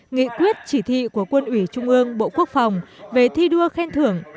nghị quyết chỉ thị của quân ủy trung ương bộ quốc phòng về thi đua khen thưởng